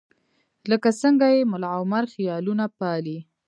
لکه څنګه چې ملاعمر خیالونه پالي.